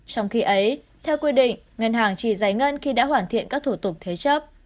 trong khi ấy theo quy định ngân hàng chỉ giải ngân khi đã hoàn thiện các thủ tục thế chấp